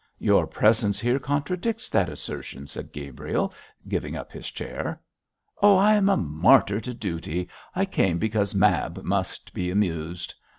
'Your presence here contradicts that assertion,' said Gabriel, giving up his chair. 'Oh, I am a martyr to duty. I came because Mab must be amused!'